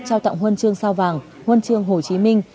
trao tặng huân chương sao vàng huân chương hồ chí minh